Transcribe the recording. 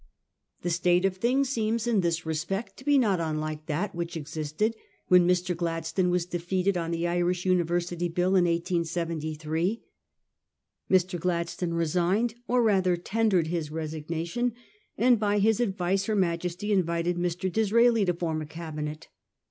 The state of things seems in this respect to he not unlike that which existed when Mr. Gladstone was defeated on the Irish. University Bill in 1873. Mr. Gladstone resigned; or rather tendered his resignation; and by his advice her Majesty invited Mr. Disraeli to form a Cabinet.